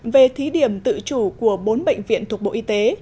về thí điểm tự chủ của bốn bệnh viện thuộc bộ y tế